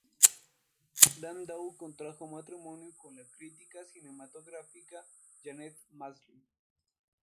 Landau contrajo matrimonio con la crítica cinematográfica Janet Maslin.